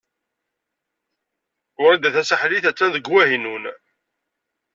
Wrida Tasaḥlit a-tt-an deg Wahinun.